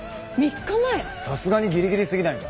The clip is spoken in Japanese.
さすがにギリギリすぎないか。